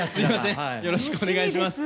よろしくお願いします。